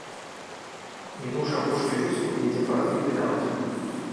Мінуўшы апошнюю вёску, едзем па разбітай дарозе.